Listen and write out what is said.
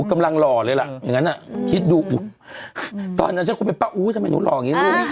กำลังหล่อเลยล่ะอย่างนั้นอ่ะคิดดูตอนนั้นฉันคงเป็นป้าอู้ทำไมหนูหล่ออย่างนี้ลูก